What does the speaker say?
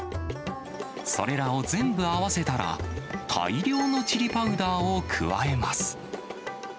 それらを全部合わせたら、大量のチリパウダーを加えます。